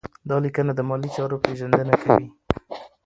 دا لیکنه د مالي چارو پیژندنه کوي.